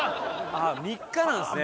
あっ３日なんですね。